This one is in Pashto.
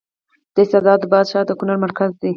د اسعد اباد ښار د کونړ مرکز دی